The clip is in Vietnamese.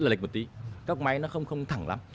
lệch một tí góc máy nó không thẳng lắm